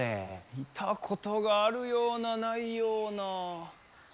見たことがあるようなないような。